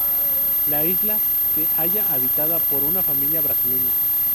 La isla se halla habitada por una familia brasileña.